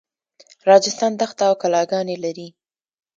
راجستان دښته او کلاګانې لري.